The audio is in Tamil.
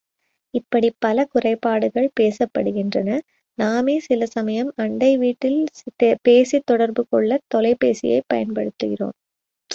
இப்படிப் பல குறைபாடுகள் பேசப்படுகின்றன, நாமே சில சமயம் அண்டை வீட்டில் பேசித் தொடர்பு கொள்ளத் தொலைபேசியைப் பயன்படுத்துகிறோம்.